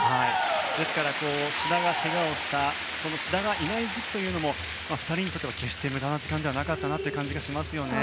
ですから志田がけがをした志田がいない時期は２人にとっては決して無駄な時間ではなかったなと感じますね。